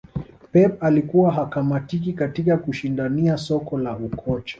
Pep alikuwa hakamatiki katika kushindania soko la ukocha